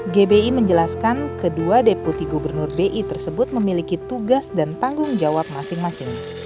gbi menjelaskan kedua deputi gubernur bi tersebut memiliki tugas dan tanggung jawab masing masing